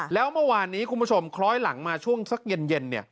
แล้วเมื่อวานนี้คุณผู้ชมคล้อยหลังมาช่วงสักเย็น